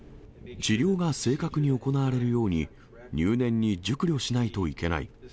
治療が正確に行われるように、入念に熟慮しないといけない。